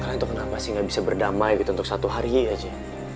kalian tuh kenapa sih gak bisa berdamai gitu untuk satu hari aja